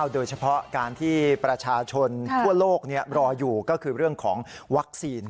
โดยเฉพาะการที่ประชาชนทั่วโลกรออยู่ก็คือเรื่องของวัคซีน